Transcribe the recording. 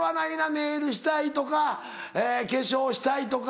ネイルしたいとか化粧したいとか。